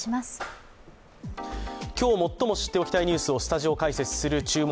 今日最も知っておきたいニュースをスタジオ解説する「注目！